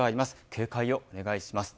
警戒をお願いします。